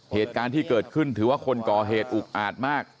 เหตุการณ์ที่เกิดขึ้นถือว่าคนก่อเหตุอุกอาจมาก